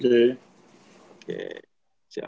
can is ketemu kamu semua